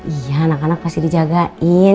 iya anak anak pasti dijagain